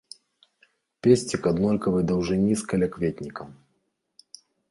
Песцік аднолькавай даўжыні з калякветнікам.